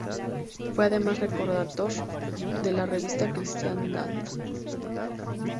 Fue además redactor de la revista Cristiandad.